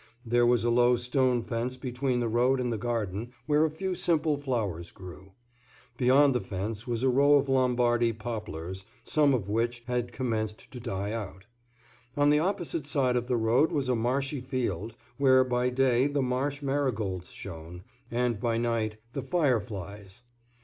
There was a low stone fence between the road and the garden, where a few simple flowers grew. Beyond the fence was a row of Lombardy poplars, some of which had commenced to die out. On the opposite side of the road was a marshy field, where by day the marsh marigolds shone, and by night, the fire flies.